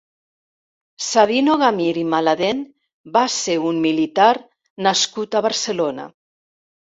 Sabino Gamir i Maladen va ser un militar nascut a Barcelona.